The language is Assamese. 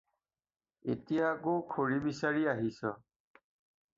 এতিয়া আকৌ খৰি বিচাৰি আহিছ।